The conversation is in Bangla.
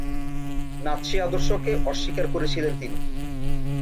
নাৎসি আদর্শকে অস্বীকার করেছিলেন তিনি।